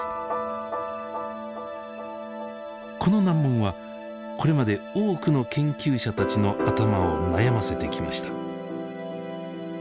この難問はこれまで多くの研究者たちの頭を悩ませてきました。